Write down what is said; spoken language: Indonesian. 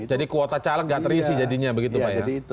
jadi kuota caleg nggak terisi jadinya begitu pak ya